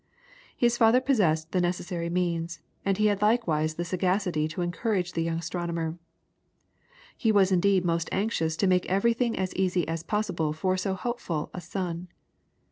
His father possessed the necessary means, and he had likewise the sagacity to encourage the young astronomer. He was indeed most anxious to make everything as easy as possible for so hopeful a son.